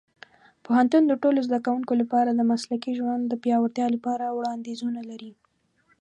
پوهنتون د ټولو زده کوونکو لپاره د مسلکي ژوند د پیاوړتیا لپاره وړاندیزونه لري.